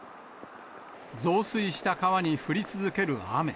増水した川に降り続ける雨。